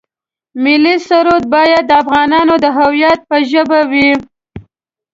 ملي سرود باید د افغانانو د هویت په ژبه وي.